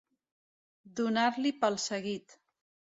Donar-li pel seguit.